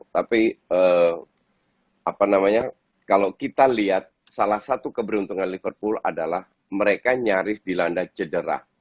tapi kalau kita lihat salah satu keberuntungan liverpool adalah mereka nyaris dilanda cedera